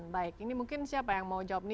baik ini mungkin siapa yang mau jawab nih